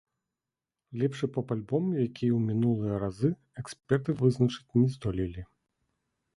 Лепшы поп-альбом, як і ў мінулыя разы, эксперты вызначыць не здолелі.